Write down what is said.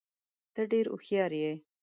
ته ډېر هوښیار یې.